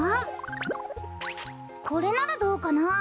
これならどうかなあ？